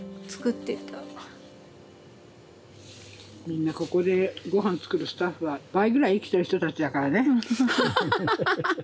みんなここでごはん作るスタッフは倍ぐらい生きてる人たちだからね。